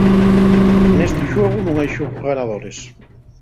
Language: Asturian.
Nesti xuegu nun hai ganadores.